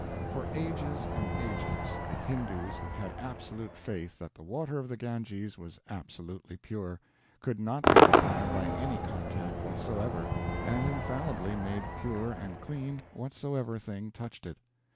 For ages and ages the Hindoos have had absolute faith that the water of the Ganges was absolutely pure, could not be defiled by any contact whatsoever, and infallibly made pure and clean whatsoever thing touched it.